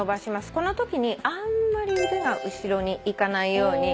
このときにあんまり腕が後ろにいかないように。